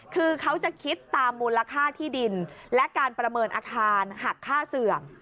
คือเขาจะคิดตามมูลค่าที่ดินและการประเมินอาคารหักค่าเสื่อม